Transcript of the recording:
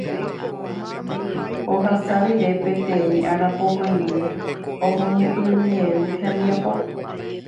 Ohasa rire peteĩ arapokõindy omoñepyrũjey hembiapo.